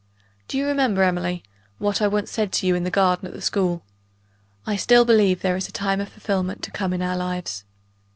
"Do you remember, Emily, what I once said to you in the garden at the school? I still believe there is a time of fulfillment to come in our lives."